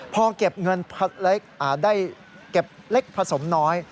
พอเก็บเงินผลักเล็กได้เก็บเล็กผสมน้อย